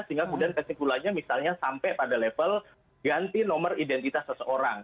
sehingga kemudian kesimpulannya misalnya sampai pada level ganti nomor identitas seseorang